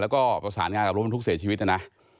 แล้วก็ประสานงานกับรถบรรทุกเสียชีวิตนะนะ